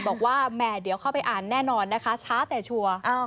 บอกว่าแหม่เดี๋ยวเข้าไปอ่านแน่นอนนะคะช้าแต่ชัวร์